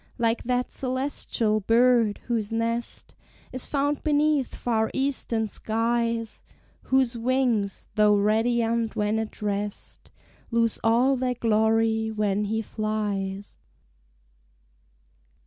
Like that celestial bird, whose nest Is found beneath far Eastern skies, Whose wings, though radiant when at rest, Lose all their glory when he flies!